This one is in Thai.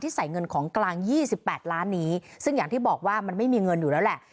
ใส่เงินของกลาง๒๘ล้านนี้ซึ่งอย่างที่บอกว่ามันไม่มีเงินอยู่แล้วแหละ